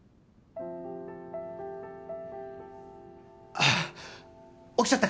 あっ起きちゃったか。